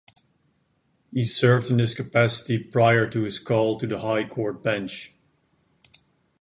He served in this capacity prior to his call to the High Court bench.